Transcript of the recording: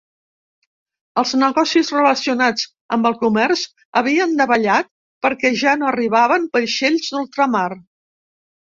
Els negocis relacionats amb el comerç havien davallat perquè ja no arribaven vaixells d'ultramar.